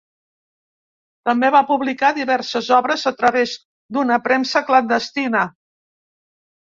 També va publicar diverses obres a través d'una premsa clandestina.